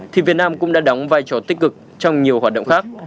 thì việt nam cũng đã đóng vai trò tích cực trong nhiều hoạt động khác